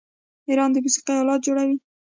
ایران د موسیقۍ الات جوړوي.